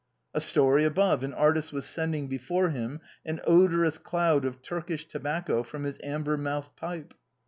A story above, an artist was sending before him an odorous cloud of Turkish tobacco from his amber mouthed pipe.